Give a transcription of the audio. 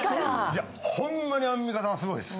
いやほんまにアンミカさんすごいです。